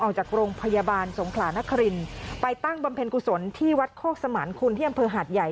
ออกจากโรงพยาบาลสงขลานครินไปตั้งบำเพ็ญกุศลที่วัดโคกสมานคุณที่อำเภอหาดใหญ่